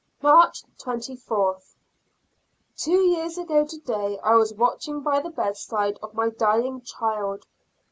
March 24. Two years ago today I was watching by the bedside of my dying child.